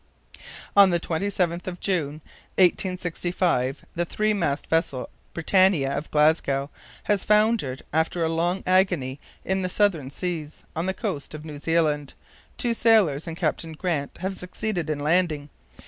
(On the 27th of June, 1865, the three mast vessel BRITANNIA, of Glasgow, has foundered after a long AGOnie in the Southern Seas, on the coast of New Zealand. Two sailors and Captain Grant have succeeded in landing.